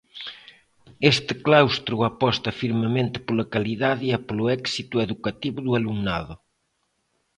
Este claustro aposta firmemente pola calidade e polo éxito educativo do alumnado.